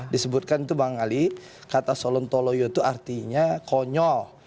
disebutkan itu bang ali kata solontoloyo itu artinya konyol